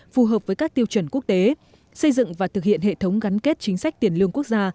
phù hợp với các tiêu chuẩn quốc tế xây dựng và thực hiện hệ thống gắn kết chính sách tiền lương quốc gia